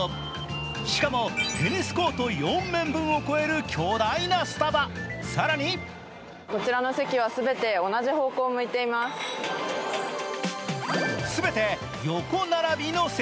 しかもテニスコート４面分を超える巨大なスタバ、更に全て横並びの席。